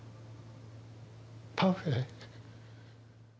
パフェ？